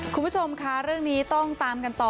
คุณผู้ชมค่ะเรื่องนี้ต้องตามกันต่อ